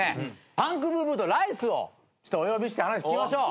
パンクブーブーとライスをお呼びして話聞きましょう。